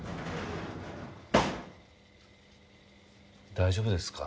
大丈夫ですか？